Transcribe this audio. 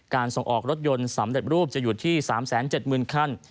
ส่งออกรถยนต์สำเร็จรูปจะอยู่ที่๓๗๐๐คัน